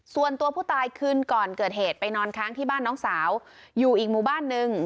ส่วนตัวผู้ตายคืนก่อนเกิดเหตุไปนอนค้างที่บ้านน้องสาวอยู่อีกหมู่บ้านนึง